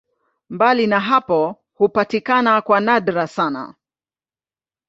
Mbali na hapo hupatikana kwa nadra sana.